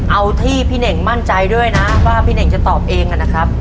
เอาที่พี่เน่งมั่นใจด้วยนะว่าพี่เน่งจะตอบเองนะครับ